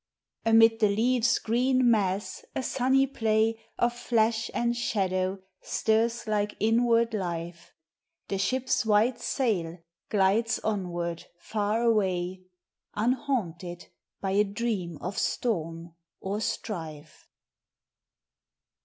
Amid the leaves' green mass a sunny play Of flash and shadow stirs like inward life: The ship's white sail glides onward far away, Unhaunted by a dream of storm or strife.